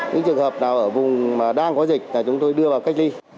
những trường hợp nào ở vùng đang có dịch thì chúng tôi đưa vào cách ly